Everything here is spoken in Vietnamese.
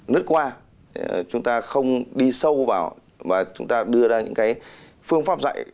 lướt qua chúng ta không đi sâu vào và chúng ta đưa ra những phương pháp dạy